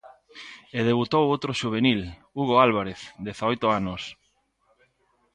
E debutou outro xuvenil, Hugo Álvarez, dezaoito anos.